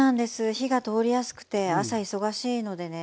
火が通りやすくて朝忙しいのでね